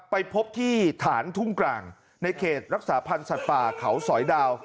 ไปพบที่ฐานทุ่งกลางในเขตรักษาพันธ์สัตว์ป่าเขาสอยดาว